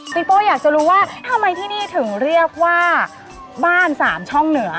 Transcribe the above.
โป้อยากจะรู้ว่าทำไมที่นี่ถึงเรียกว่าบ้านสามช่องเหนือ